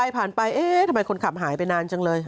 ผ่านไปเอ๊ะทำไมคนขับหายไปนานจังเลย